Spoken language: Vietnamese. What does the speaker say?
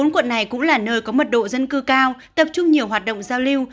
bốn quận này cũng là nơi có mật độ dân cư cao tập trung nhiều hoạt động giao lưu